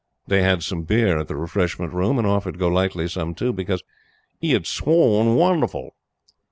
They had some beer at the refreshment room, and offered Golightly some too, because he had "swore won'erful."